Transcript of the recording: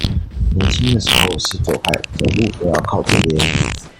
年輕的時候是左派，走路都要靠左邊